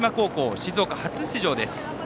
静岡初出場です。